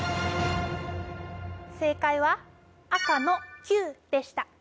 正解は赤のＱでした